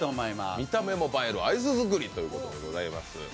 見た目も映えるアイス作りということでございます。